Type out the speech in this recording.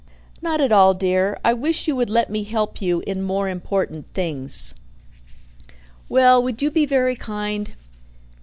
"Not at all, dear. I wish you would let me help you in more important things." "Well, would you be very kind?